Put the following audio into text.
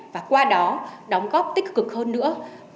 và qua đó đóng góp tích cực hơn nữa